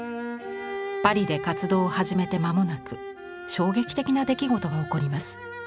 パリで活動を始めて間もなく衝撃的な出来事が起こります。